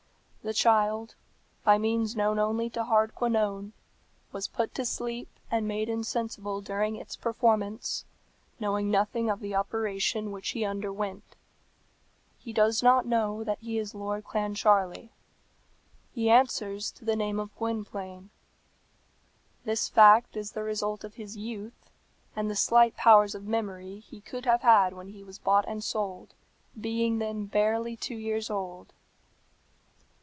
"The child, by means known only to Hardquanonne, was put to sleep and made insensible during its performance, knowing nothing of the operation which he underwent. "He does not know that he is Lord Clancharlie. "He answers to the name of Gwynplaine. "This fact is the result of his youth, and the slight powers of memory he could have had when he was bought and sold, being then barely two years old.